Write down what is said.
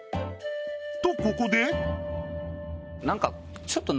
とここで。